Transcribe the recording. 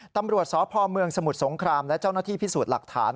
ตำรวจสพเมืองสมุทรสงครามและเจ้าหน้าที่พิสูจน์หลักฐาน